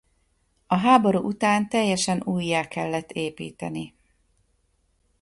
A háború után teljesen újjá kellett építeni.